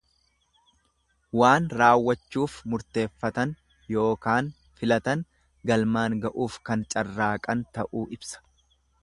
Waan raawwachuuf murteeffatan ykn filatan galmaan ga'uuf kan carraaqan ta'uu ibsa.